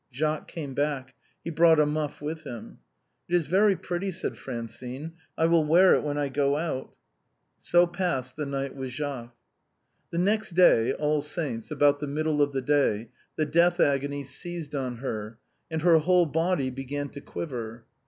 Jacques came back; he brought a muff with him. " It is very pretty," said Francine ;" I will wear it when I go out." She passed the night with Jacques. The next day — All Saints' — about the middle of the day, the death agony seized on her, and her whole body began to quiver.